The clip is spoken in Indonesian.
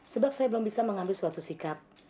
sebab saya belum bisa mengambil suatu sikap